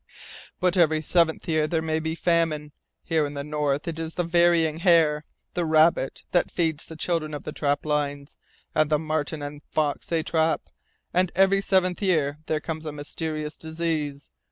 "But every seventh year there may be famine. Here in the North it is the varying hare, the rabbit, that feeds the children of the trap lines and the marten and fox they trap, and every seventh year there comes a mysterious disease.